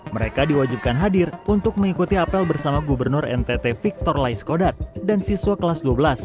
mereka diwajibkan hadir untuk mengikuti apel bersama gubernur ntt victor laiskodat dan siswa kelas dua belas